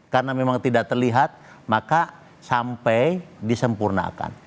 karena memang tidak terlihat maka sampai disempurnakan